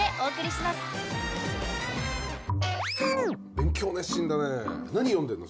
勉強熱心だね